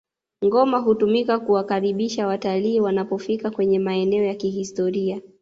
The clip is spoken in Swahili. ngoma hutumika kuwakaribisha watalii wanapofika kwenye maeneo ya kihistoria